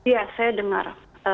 ya saya dengar